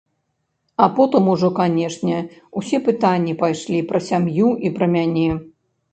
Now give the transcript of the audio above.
А потым ужо, канешне, усе пытанні пайшлі пра сям'ю і пра мяне.